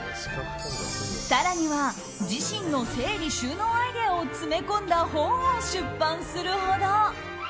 更には自身の整理収納アイデアを詰め込んだ本を出版するほど。